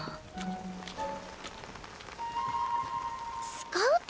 スカウト？